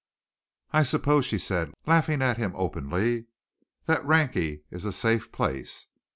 "I suppose," she said, laughing at him openly, "that Rakney is a safe place.